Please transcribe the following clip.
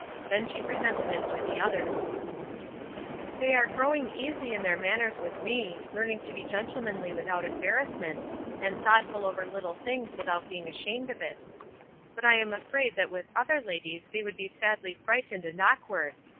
Then she presented it to the others: "They are growing easy in their manners with me, learning to be gentlemanly without embarrassment, and thoughtful over little things without being ashamed of it; but I am afraid that with other ladies they would be sadly frightened and awkward.